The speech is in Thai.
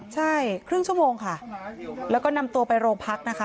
ใช่ครึ่งชั่วโมงค่ะแล้วก็นำตัวไปโรงพักนะคะ